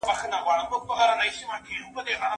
زه بايد سبزیحات جمع کړم!؟